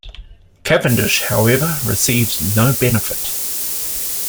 Cavendish, however, received no benefit.